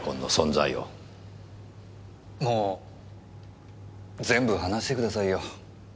もう全部話してくださいよ。